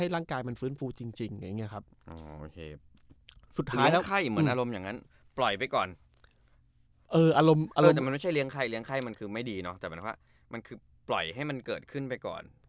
แต่มันไม่ใช่เลี้ยงไข้เลี้ยงไข้มันคือไม่ดีเนาะแต่เหมือนว่ามันคือปล่อยให้มันเกิดขึ้นไปก่อน